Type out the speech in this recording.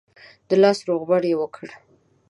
د لاس روغبړ یې وکړ.